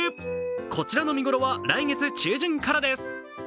こちらの見頃は来月中旬からです。